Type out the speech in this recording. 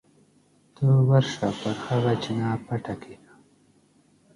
ته ورشه پر هغه چینه پټه کېنه.